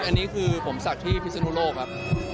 อันนี้คือผมศักดิ์ที่พิศนุโลกครับ